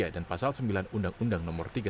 dan pasal sembilan undang undang nomor tiga puluh satu